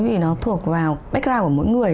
vì nó thuộc vào background của mỗi người